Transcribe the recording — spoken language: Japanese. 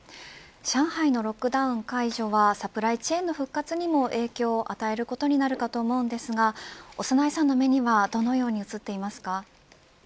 上海のロックダウン解除はサプライチェーンの復活にも影響を与えることになると思いますが長内さんの目にはどう映っていますか。